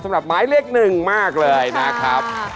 ไม่เคยเลยค่ะ